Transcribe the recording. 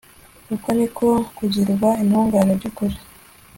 uko ni ko kugirwa intungane by'ukuri